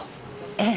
ええ。